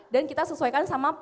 dan kita sesuaikan sama